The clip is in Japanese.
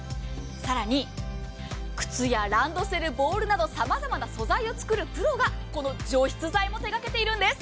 更に靴やランドセル、ボールなどさまざまな素材を作るプロがこの除湿剤も手がけているんです。